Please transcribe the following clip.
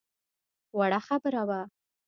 وړه خبره وه.